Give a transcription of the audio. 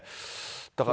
だから。